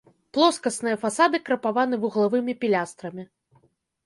Плоскасныя фасады крапаваны вуглавымі пілястрамі.